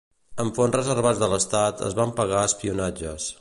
Amb fons reservats de l'Estat es van pagar espionatges.